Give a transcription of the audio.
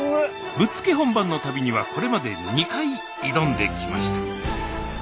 ぶっつけ本番の旅にはこれまで２回挑んできました